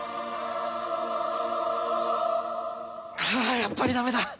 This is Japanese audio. ああっやっぱりダメだ！